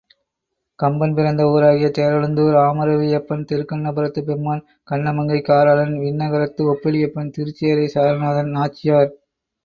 கம்பன் பிறந்த ஊராகிய தேரழுந்தூர் ஆமருவியப்பன், திருக்கண்ணபுரத்துப் பெம்மான், கண்ணமங்கை காராளன், விண்ணகரத்து ஒப்பிலியப்பன், திருச்சேறை சாரநாதன், நாச்சியார்.